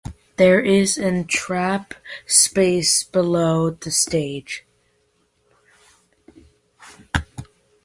There is an trap space below the stage.